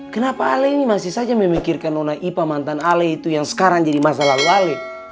kenapa ale ini masih saja memikirkan nona ipa mantan ale itu yang sekarang jadi masa lalu ale